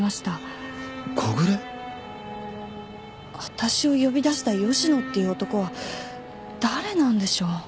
わたしを呼び出した吉野っていう男は誰なんでしょう？